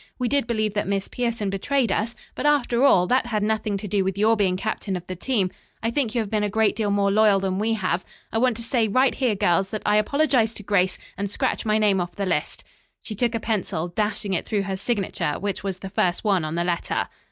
We did believe that Miss Pierson betrayed us; but after all, that had nothing to do with your being captain of the team. I think you have been a great deal more loyal than we have. I want to say right here, girls, that I apologize to Grace and scratch my name off the list." She took a pencil, dashing it through her signature, which was the first one on the letter.